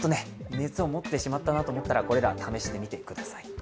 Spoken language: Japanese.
熱を持ってしまったと思ったらこれら、試してみてください。